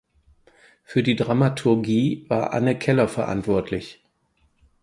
Für die Dramaturgie war Aenne Keller verantwortlich.